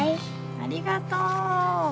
ありがとう。